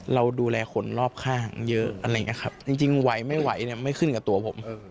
เราดูแลคนรอบข้างเยอะถึงวัยไม่ไหวเนี่ยไม่ขึ้นก็ตัวผม